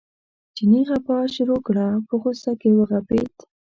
چیني غپا شروع کړه په غوسه کې وغپېد.